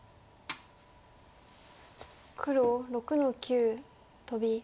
黒６の九トビ。